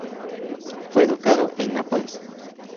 Fue educado en Nápoles.